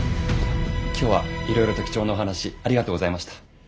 今日はいろいろと貴重なお話ありがとうございました。